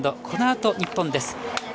このあと、日本です。